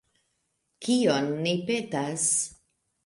Kion ni petas.